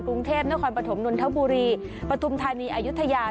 กรุงเทพนครปฐมนนทบุรีปฐุมธานีอายุทยา